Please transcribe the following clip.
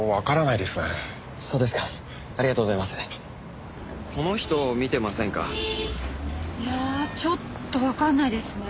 いやちょっとわかんないですね。